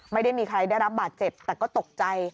ไม่มีใครได้รับบาดเจ็บแต่ก็ตกใจ